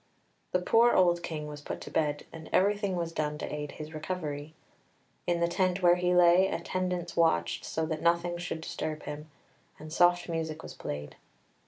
The poor old King was put to bed, and everything was done to aid his recovery; in the tent where he lay attendants watched so that nothing should disturb him, and soft music was played.